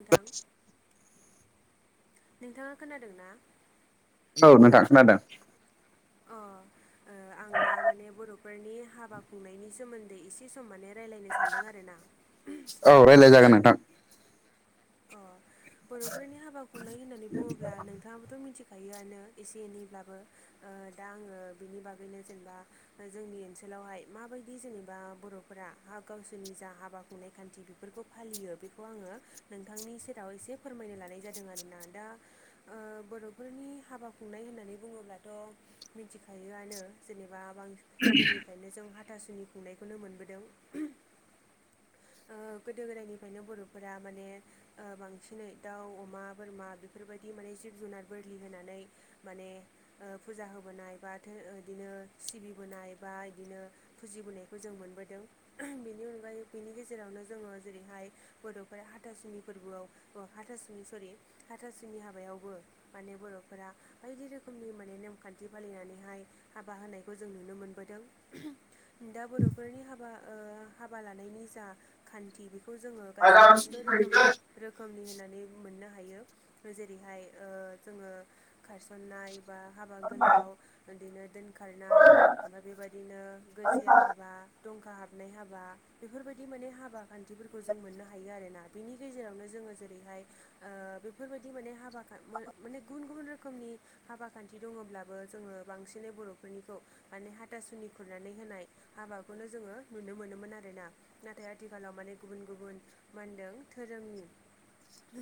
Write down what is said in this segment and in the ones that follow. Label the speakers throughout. Speaker 1: नोंथां नोंथाङा खोनादों ना
Speaker 2: औ नोंथां खोनादों
Speaker 1: औ आं दा माने बर'फोरनि हाबा खुंनायनि सोमोन्दै एसे सम माने रायज्लायनो सानदों आरो ना
Speaker 2: औ रायज्लाय जागोन नोंथां
Speaker 1: अ बर'फोरनि हाबा खुंनाय होननानै बुङोब्ला नोंथाङा थ' मिथिखायोआनो एसे एनैब्लाबो दा आङो बिनि बागैनो जेनेबा जोंनि ओनसोलावहाय माबायदि जेनेबा बर'फोरा गावसोरनि जा हाबा खुंनाय खान्थि बेफोरखौ फालियो बेखौ आङो नोंथांनि सेराव एसे फोरमायनो लानाय जादों आरोना दा बर'फोरनि हाबा खुंनाय होननानै बुङोब्लाथ' मिथिखायोआनो जेनेबा बां गोदोनिफ्रायनो जों हाथासुनि खुंनायखौनो मोनबोदों गोदो गोदायनिफ्रायनो बर'फोरा माने ओ बांसिनै दाउ अमा बोरमा बिफोरबायदि माने जिब जुनार बोरलि होनानै माने ओ फुजा होबोनाय बा धो ओदिनो सिबिबोनाय बा इदिनो फुजिबोनायखौ जों मोनबोदों [unintelligible] बेनि अनगायै बिनि गेजेरावनो जोङो जेरैहाय बड'फ्रा हाथासुनि फोरबोआव ओ हाथासुनि सरि हाथासुनि हाबायावबो माने बर'फोरा बायदि रोखोमनि माने नेमखान्थि फालिनानैहाय हाबा होनायखौ जों नुनो मोनबोदों। [unintelligible] दा बर'फोरनि हाबा ओ हाबा लानायनि जा खान्थि बि खौ जोङो गासै मोनद' रोखोमनि रोखोमनि होननानै मोननो हायो जेरैहाय ओ जोङो खारसननाय बा हाबा गोलाव ओदिनो दोनखारनाय ओमफाय बेबायदिनो गोजिया हाबा दंखा हाबनाय हाबा बेफोरबायदि माने हाबा खान्थिफोरखौ जों मोननो हायो आरोना। बिनि गेजेरावनो जोङो जेरैहाय ओ बेफोरबायाददि माने हाबाखा मो माने गुबुन गुबुन रो खोमनि हाबा खान्थि दङ'ब्लाबो जोङो बांसिनै बर'फोरनिखौ माने हातासुनि खुरनानै होनाय हाबाखौनो जोङो नुनो मोनोमोन आरोना। नाथाय आथिखालाव माने गुबुन गुबुन मानदों धोरोमनि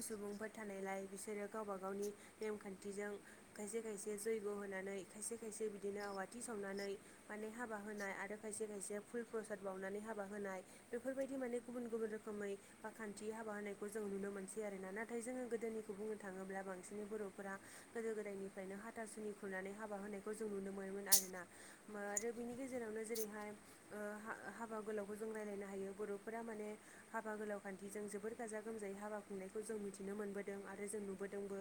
Speaker 1: सुबुंफोर थानायलाय बिसोरो गावबा गावनि नेमखान्थिजों खायसे खायसे जैग' होनानै खायसे खायसे बिदिनो आवाथि सावनानै माने हाबा होनाय आरो खायसे खायसेया फुल प्रसाद बावनानै हाबा होनाय बेफोरबायदि माने गुबुन गुबुन रोखोमै बा खान्थि हाबा होनायखौ जों नुनो मोनसै आरोना नाथाय जोङो गोदोनिखौ बुंनो थाङोब्ला बांसिनै बर'फोरा गोदो गोदायनिफ्रायनो हाथासुनि खुरनानै हाबा होनायखौ जों नुनो मोनोमोन आरोना। मारो बिनि गेजेरावनो जेरैहाय ओ हा - हाबा गोलावखौ जों रायलायनो हायो बर'फोरा माने हाबा गोलाव खान्थिजों जोबोर गाजा गोमजायै हाबा खुंनायखौ जों मिथिनो मोनबोदों आरो जों नुबोदोंबो।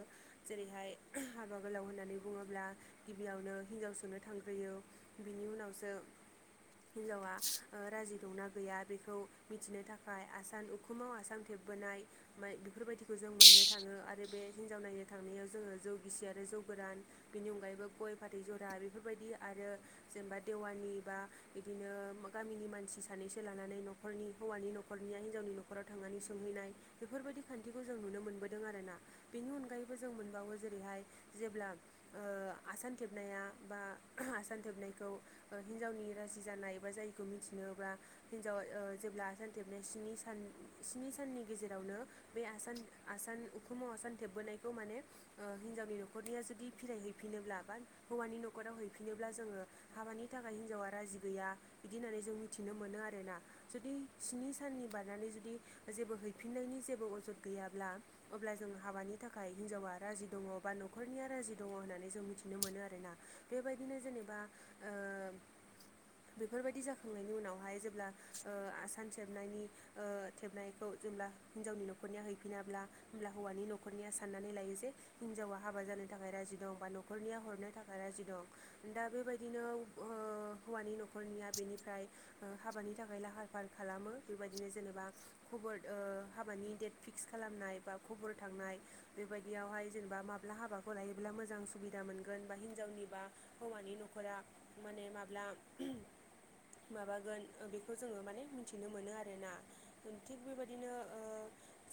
Speaker 1: जेरैहाय [unintelligible] हाबा गोलाव होननानै बुङोब्ला गिबियावनो हिनजाव सुनो थांग्रोयो बिनि उनावसो हिनजावा ओ राजि दंना गैया बेखौ मिथिनो थाखाय आसान उखुमाव आसान थेबबोनाय माय बिफोरबायदिखौ जों मोननो थाङो आरो बे हिनजाव नायनो थांनायाव जोङो जौ गिसि आरो जौ गोरान बिनि अनगायैबो गय फाथै जरा बेफोरबायदि आरो जेनबा देवानि बा इदिनो गामिनि मानसि सानैसो ला नानै न'खरनि हौवानि न'खरनिया हिन्जावनि न'खराव थांनानै सोंहैनाय बेफोरबायदि खान्थिखौ जों नुनो मोनबोदों आरोना। बेनि अनगायैबो जों मोनबावो जेरैहाय जेब्ला ओ आसान थेबनाया बा [unintelligible] आसान थेबनायखौ ओ हिनजावनि राजि जानाय बा जायिखौ मिथिनोब्ला हिनजावा ओ जेब्ला आसानथेबनाय स्नि सान स्नि साननि गेजेरावनो बे आसान-आसान उखुमाव आसान थेबबोनायखौ माने ओ हिनजावनि न'खरनिया जुदि फिराय हैफिनोब्ला बा हौवानि न'खराव हैफिनोब्ला जोङो हाबानि थाखाय हिनजावा राजि गैया बिदि होननानै जों मिथिनो मोनो आ ओना जुदि स्नि साननि बारनानै जुदि जेबो हैफिननायनि जेबो अजद गैयाब्ला अब्ला जों हाबानि थाखाय हिनजावा राजि दङ' बा न'खरनिया राजि दङ' होननानै जों मिथिनो मोनो आरोना। बेबायदिनो जेनेबा ओ बेफोरबायदि जाखांनायनि उनावहाय [unintelligible] ब्ला ओ आसान थेबनायनि ओ थेबनायखौ जेब्ला हिन्जावनि न'खरनिया हैफिनाब्ला होमब्ला हौवानि न'खरनिया साननानै लायो जे हिनजावा हाबा जानो थाखाय राजि दं बा न'खरनिया हरनो थाखाय राजि दं। दा बेबायदिनो ओ हौवानि न'खरनिया बेनिफ्राय ओ हाबानि थाखाय लाहार फाहार खालामो बेबायदिनो जेनेबा खबर ओ हाबानि डेट फिक्स खालामनाय बा खबल थांनाय बेबायदियावहाय जेनेबा माब्ला हाबाखौ लायोब्ला मोजां सुबिदा मोनगोन बा हिनजावनिबा हौवानि न'खरा माने माब्ला माबागोन बेखौ जोङो माने मिथिनो मोनो आरोना थिग बेबायदिनो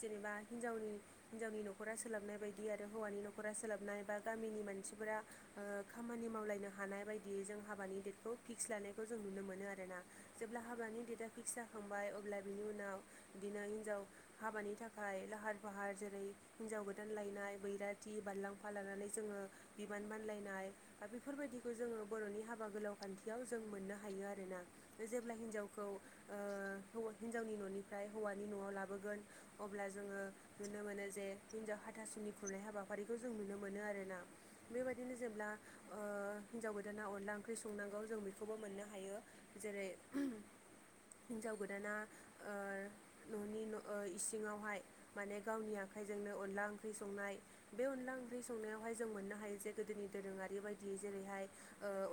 Speaker 1: जेनेबा हिन्जावनि हिनजावनि नखरा सोलाबनाय बायदि आरो हौवानि नखरा सोलाबनाय बा गामिनि मानसिफोरा खामानि मावलायनो हानाय बायदियै जों हाबानि दडेटखौ फिक्स लानायखौ जों नुनो मोनो आरोना जेब्ला हाबानि डेटआ फिक्स जाखांबाय अब्ला बिनि उनाव बिदिनो हिनजाव हाबानि थाखाय लाहार फाहार जेरै हिनजाव गोदान लायनाय बैराथि बारलांफा लानानै जोङो बिबान बानलायनाय दा बेफोरबायदिखौ जोङो बर'नि हाबा गोलाव खान्थियाव जों मोननो हायो आरोना जेब्ला हिन्जावखौ ओ हिन्जावनि न'निफ्राय हौवानि न'आव लाबोगोन अब्ला जोङो नुनो मोनो जे हिनजाव हाथासुनि खुरनाय हाबाफारिखौ जों नुनो मोनो आरोना बेबायदिनो जेब्ला ओ हिन्जाव गोदाना अनला ओंख्रि संनांगौ जों बेखौबो मोननो हायो जेरै हिन्जाव गोदाना ओ न'नि इसिङावहाय माने गावनि आखाइजोंनो अनला ओंख्रि संनाय बे अनला ओंख्रि संनायावहाय जों मोननो हायो जे गोदोनि दोरोङारि बायदियै जेरैहाय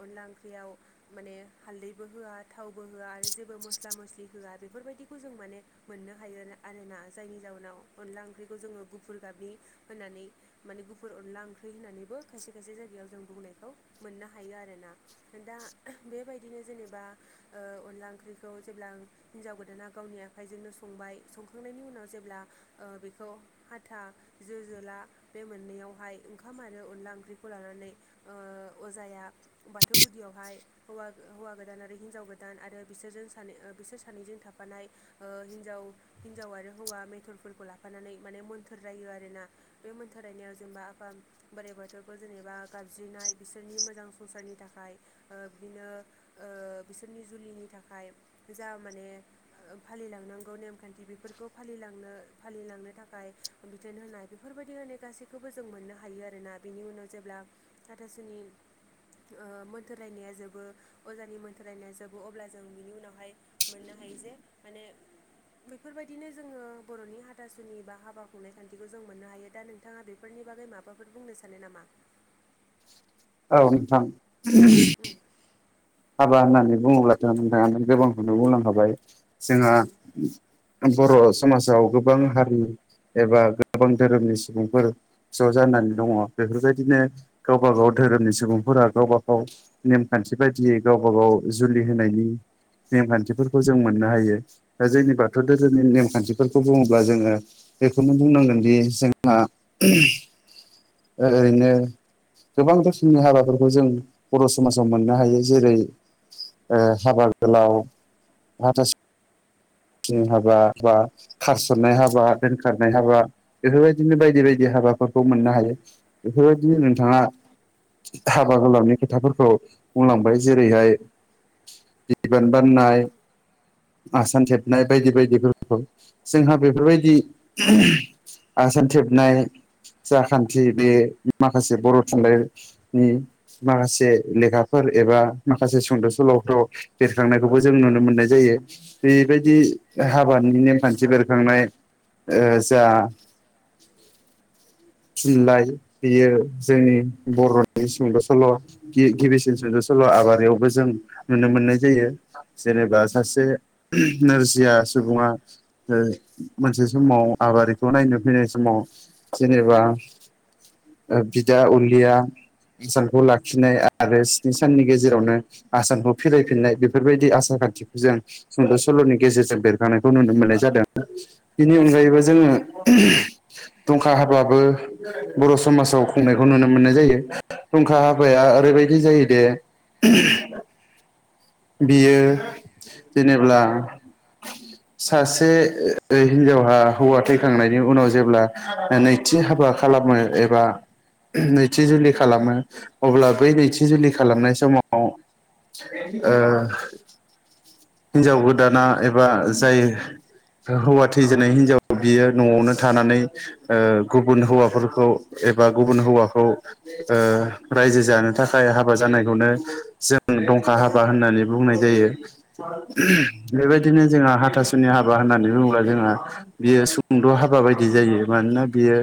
Speaker 1: अनला ओंख्रियाव माने हाल्दै बबो होआ थावबो होआ आरो जेबो मस्ला मस्लि होआ बेफोरबायदिखौ जों माने मोननो हायो आरोना जायनि जाउनाव अनला ओंख्रिखौ जोङो गुफुर गाबनि होनानै माने गुुर अनला ओंख्रि थै होननानैबो खायसे खायसे जायगायाव जों बुंनायखौ मोननो हायो आरोना दा बेबायदिनो जेनेबा अनला ओंख्रिखौ जेब्ला हिनजाव गोदाना गावनि आखाइजोंनो संबाय संखांनायनि उनाव जेब्ला बेखौ आथा जो जोला बे मोननैयावहाय ओंखाम आरो अनला ओंख्रिखौ लानानै अजाया बाथौ गुदियावहायौ हौवा गोदान आरो हिनजाव गोदान आरो बिसोरजों सानै बिसोर सानैजों थाफानाय हिनजाव हिनजाव आरो हौवा मथरफोरखौ लाफानानै माने मोन्थोर जायो आरोना बे मोन्थोरायनायाव जेनेबा आफा बोराइ बोाथौखौ जेनेबा गाबज्रिनाय बिसोरनि मोजां संसारनि थाखाय बिदिनो बिसोरनि जुलिनि थाखाय गो जा माने फालिलांनांगौ नेमखान्थि बेफोरखौ फालिलांनो फालिलांनो थाखाय बिथोन होनाय बेफोरबायदि होनाय गासैखौबो जों मोननो हायो आरोना बेनि उनाव जेब्ला हाथासुनि मोनथोर रायनाया जोबो अजानि मोनथोर रायनाय जोबो अब्ला जों बिनि उनावहाय मोननो हायो जे माने बेफोरबायदिनो जोङो बर'नि हाथासुनि बा हाबा खुंनाय खान्थिखौ जों मोननो हायो दा नों बिथाङा बेफोरनि बागै माबाफोर बुंनो सानो नामा?
Speaker 2: औ नोंथां
Speaker 1: ओम
Speaker 2: हाबा होननानै बुङोब्लाथ' नोंथाङानो गोबांखौनो बुंलांखाबाय जोंहा
Speaker 1: उम
Speaker 2: बर' समाजाव गोबां हारि एबा गोबां धोरोमनि सुबुंफोर ज' जानानै दङ बेफोरबायदिनो गावबा गाव धोरोमनि सुबुंफोरा गावबा गाव नेमखान्थि बायदियै गावब गाव जुलि होनायनि नेमखान्थिफोरखौ जों मोननो हायो। दा जोंनि
Speaker 1: उम
Speaker 2: बाथौ धोरोमनि नेमखान्थिफोरखौ बुङोब्ला जोङो बेखौनो बुंनांगोनदि जोंहा ओरैनो गोबां रोखोमनि हाबाफोरखौ जों बर' समाजाव मोननो हायो जेरै ओ नि हाबा बा खारसननाय हाबा दोनखारनाय हाबा बेफोरबायदिनो बायदि बायदि हाबाफोरखौ मोननो हायो बेफोरबायदिनो नोंथाङा हाबा होलांनाय खोथाफोरखौ बुंलांबाय जेरैहाय बिबान बाननाय आसान थेबनाय बायदि बायदिफोरखौ जोंहा बेफोरबायदि आसान थेबनाय जा खान्थि बे माखासे बर' थुनलाइ नि माखासे लेखाफोर एबा माखासे सुंद' सल'फ्राव बेरखांनायखौबो जों नुनो मोननाय जायो। बेबायदि हाबानि नेमखान्थि बेरखांनाय ओ जा थुनलाइ बियो जोंनि बर'नि सुंद' सल' गि-गिबिसिन सुंद' सल' आबारियावबो जों नुनो मोननाय जायो। जेनेबा सासे नोरजिया सुबुङा ओ मोनसे समाव आबारिखौ नायनो फैनाय समाव जेनेबा ओ बिदा अलिया सानखौ लाखिनाय आरो स्नि साननि गेजेरावनो आसानखौ फिरायफिननाय बेफोरबायदि आसार खान्थिखौ जों सुंद' सल'नि गेजेरजों बेरखानायखौ नुनो मोननाय जादों। बेनि अनगायैबो जोङो दंखा हाब्लाबो बर' समाजाव खुंनायखौ नुनो मोननाय जायो धंखा हाबाया ओरैबायदि जायोदे [inaudible] बियो जेनेब्ला
Speaker 1: [inaudible]
Speaker 2: सासे हिनजावहा हौवा थैखांनायनि उनाव जेब्ला नै थि हाबा खालामो एबा नैथि जुलि खालामो अब्ला बै नैथि जुलि खालामनाय समाव ओ हिनजाव गोदाना एबा जाय हौवा थैजानाय हिनजाव बियो न'आवनो थानानै ओ गुबुन हौवाफोरखौ एबा गुबुन हौवाखौ ओ रायजो जानो थाखाय हाबा जानायखौनो जों दंखा हा बा होननानै बुंनाय जायो। बेबायदिनो जोंहा हाथासुनि हाबा होननानै बुङोब्ला जोङो बियो सुंद' हाबा बायदि जायो मानोना बियो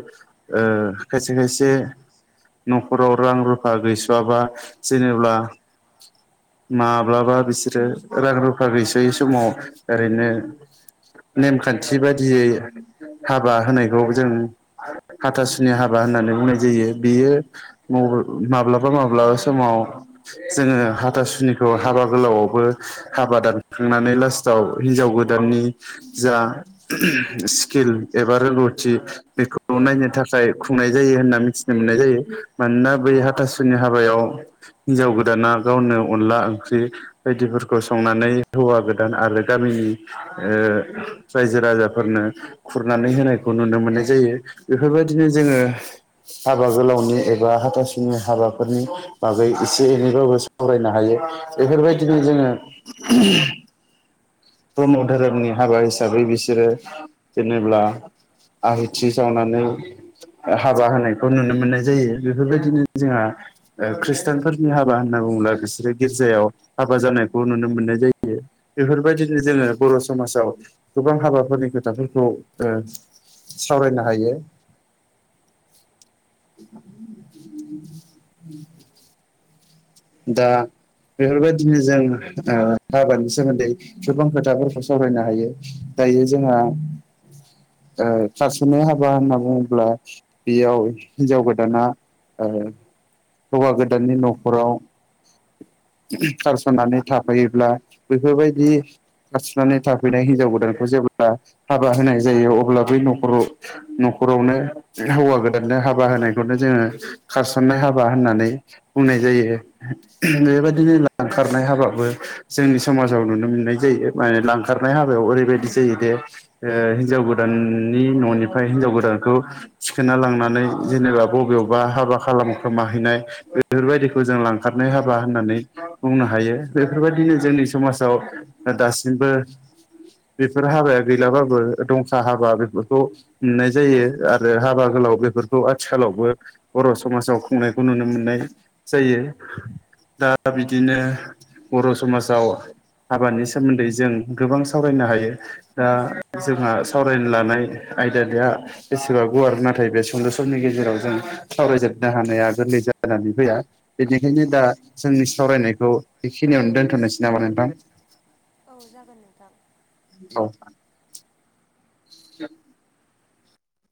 Speaker 2: ओ खायसे खायसे न'खराव रां रुफा गैस'आबा जेनेब्ला माब्लाबा बिसोरो रां रुफा गैसोयै समाव ओरैनो नेमखान्थि बादियै हाबा होनायखौ जों हाथासुनि हाबा होननानै बुंनाय जायो बियो माब्लाबा माब्लाबा समाव जोङो हातासुनिखौ हाबा गोलावआवबो हाबा दानखांनानै लास्टाव हिनजाव गोदाननि जा स्किल एबा रोंगौथि बेखौ नायनो थाखाय खुंनाय जायो होनना मिथिनो मोननाय जायो मानोना बै हाथासुनि हाबायाव हिन्जाव गोदाना गावनो अनला ओंख्रि बायदिफोरखौ संनानै हौवा गोदान आरो गामिनि ओ रायजो राजाफोरनो खुरनानै होनायखौ नुनो मोननाय जायो बेफोरबायदिनो जोङो हाबा गोलावनि एबा हाथासुनि हाबाफोरनि बागै एसे एनैबाबो सावरायनो हायो बेफोरबायदिनो जोङो ब्रह्म धोरोमनि हाबा हिसाबै बिसोरो जेनेब्ला आहुथि सावनानै हाबा होनायखौ नुनो मोननाय जायो बेफोरबायदिनो जोङा ओ खृस्टानफोरनि हाबा होनना बुङोब्ला बिसोरो गिर्जायाव हाबा जानायखौ नुनो मोननाय जायो बेफोरबायदि जोङो बर' समाजाव गोबां हाबाफोरनि खोथाफोरखौ ओ सावरायनो हायो। [inaudible] [unintelligible] दा बेफोरबायदिनो जों ओ आबादनि सोमोन्दै सुबुं खोथाफोरखौ सावरायनो हायो दायो जोंहा ओ खारसननाय हाबा होनना बुङोब्ला बेयाव हिनजाव गोदाना ओ हौवा गोदाननि न'खराव खारस'नानै थाफायोब्ला बेफोरबायदि खारथिनानै थाफैनाय हिन्जाव गोदानखौ जेब्ला हाबा होनाय जायो अब्ला बै न'खराव न'खरावनो हौवा गोदाननो हाबा होनायखौनो जोङो खारसननाय हाबा होननानै बुंनाय जायो। बेबायदिनो लांखारनाय हाबाबो जोंनि समाजाव नुनो मोननाय जायो माने लांखारनाय हाबायाव ओरैबायदि जायो दे ओ हिनजाव गोदाननि न'निफ्राय हिन्जाव गोदानखौ थिखोना लांनानै जेनोबा बबेयावबा हाबा खालामखोमाहैनाय बेफोरबायदिखौ जों लां खारनाय हाबा होननानै बुंनो हायो बेफोरबायदिनो जोंनि समाजाव दा दासिमबो बेफोर हाबाया गैलाबाबो दंखा हाबा बेफोरखौ मोननाय जायो आरो हाबा गोलाव बेफोरखौ आथिखालावबो बर' समाजाव खुंनायखौ नुनो मोननाय जायो दा बिदिनो बर' समाजाव हाबानि सोमोन्दै जों गोबां सावरायनो हायो। दा जोंहा सावरायनो लानाय आयदादाया बेसेबा गुवार नाथाय बे सुंद' समनि गेजेराव जों सावरायजोबनो हानाया गोरलै जानानै फैया। बेनिखायनो दा जोंनि सावरायनायखौ बेखिनियावनो दोनथ'नोसै नामा नोंथां?
Speaker 1: औ जागोन नोंथां।
Speaker 2: औ। [unintelligible]